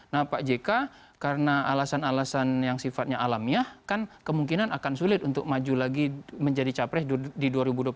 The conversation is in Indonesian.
nah pak jk karena alasan alasan yang sifatnya alamiah kan kemungkinan akan sulit untuk maju lagi menjadi capres di dua ribu dua puluh